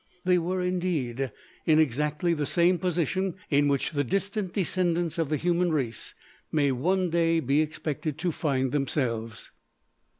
They were, indeed, in exactly the same position in which the distant descendants of the human race may one day be expected to find themselves.